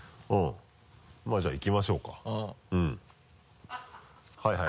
まぁじゃあいきましょうかはいはい。